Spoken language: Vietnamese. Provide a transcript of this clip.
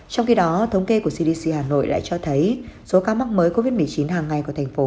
trong khi đó thống kê của cdc hà nội lại cho thấy số ca mắc mới covid một mươi chín hàng ngày của thành phố